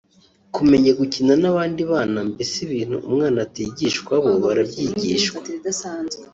kumenya gukina n’abandi bana mbese ibintu umwana atigishwa bo barabyigishwa